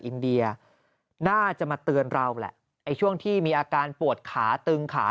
อินเดียน่าจะมาเตือนเราแหละไอ้ช่วงที่มีอาการปวดขาตึงขา